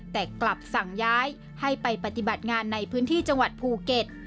แต่กลับสั่งย้ายให้ไปปฏิบัติงานในพื้นที่จังหวัดภูเก็ต